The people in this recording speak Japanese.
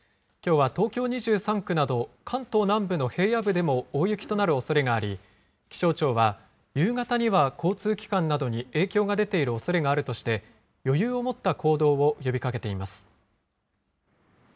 きょうは東京２３区など、関東南部の平野部でも大雪となるおそれがあり、気象庁は、夕方には交通機関などに影響が出ているおそれがあるとして、余裕を持った行動を呼びかけています。